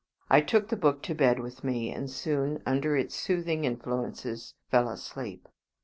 I took the book to bed with me, and soon under its soothing influences fell asleep.